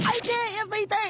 やっぱ痛い。